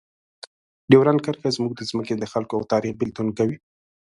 ډیورنډ کرښه زموږ د ځمکې، خلکو او تاریخ بېلتون کوي.